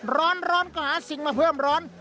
ร้อนก็หาสิ่งมาเพิ่มร้อน